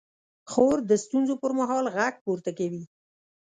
خور د ستونزو پر مهال غږ پورته کوي.